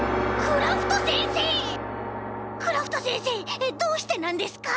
クラフトせんせいどうしてなんですか？